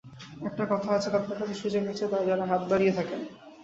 একটা কথা আছে, তাঁদের কাছে সুযোগ আছে যাঁরা হাত বাড়িয়ে থাকেন।